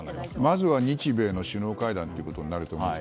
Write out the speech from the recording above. まずは日米の首脳会談ということになると思います。